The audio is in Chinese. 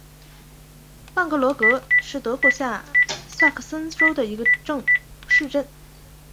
万格罗格是德国下萨克森州的一个市镇。